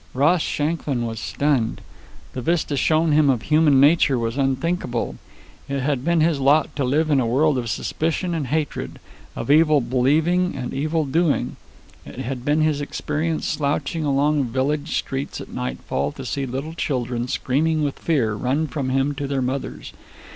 Ross Shanklin was stunned. The vista shown him of human nature was unthinkable. It had been his lot to live in a world of suspicion and hatred, of evil believing and evil doing. It had been his experience, slouching along village streets at nightfall, to see little children, screaming with fear, run from him to their mothers.